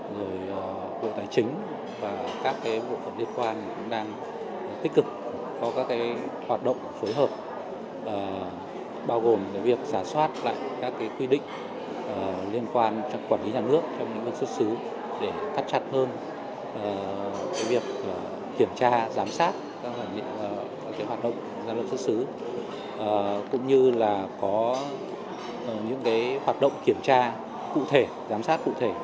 bộ tài chính và các bộ phận liên quan đang tích cực có các hoạt động phối hợp bao gồm việc giả soát lại các quy định liên quan cho quản lý nhà nước trong những vận xuất xứ để cắt chặt hơn việc kiểm tra giám sát các hoạt động giám sát xuất xứ cũng như là có những hoạt động kiểm tra cụ thể giám sát cụ thể